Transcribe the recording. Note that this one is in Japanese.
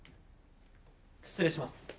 失礼します。